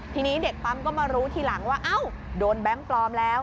ทีนี้เด็กปั๊มก็มารู้ทีหลังว่า